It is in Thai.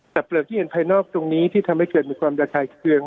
แต่เปลือกที่เห็นภายนอกตรงนี้ที่ทำให้เกิดมีความระคายเคือง